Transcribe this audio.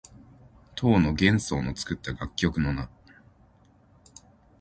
唐の玄宗の作った楽曲の名。